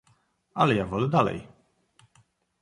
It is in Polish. "Ale ja wolę dalej..."